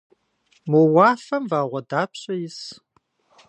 Мо уафэм вагъуэ дапщэ ис?